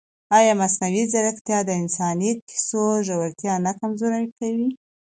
ایا مصنوعي ځیرکتیا د انساني کیسو ژورتیا نه کمزورې کوي؟